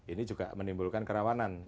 ini juga menimbulkan kerawanan